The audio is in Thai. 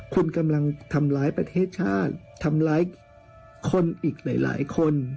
คุณกำลังทำร้ายประเทศชาติทำร้ายคนอีกหลายคน